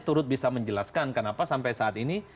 turut bisa menjelaskan kenapa sampai saat ini